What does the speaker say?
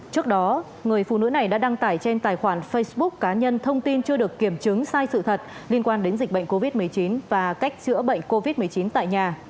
trước đó người phụ nữ này đã đăng tải trên tài khoản facebook cá nhân thông tin chưa được kiểm chứng sai sự thật liên quan đến dịch bệnh covid một mươi chín và cách chữa bệnh covid một mươi chín tại nhà